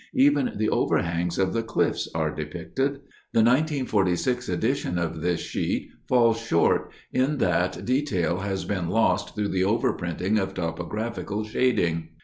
Even the overhangs of the cliffs are depicted. The 1946 edition of this sheet falls short in that detail has been lost through the overprinting of topographical shading.